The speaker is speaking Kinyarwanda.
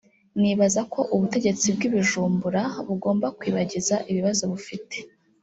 nibaza ko ubutegetsi bw’i Bujumbura bugomba kwibagiza ibibazo bufite